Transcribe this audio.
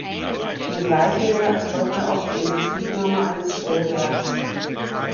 Im gleichen Jahr erfolgte auch die Inbetriebnahme eines Stellwerks.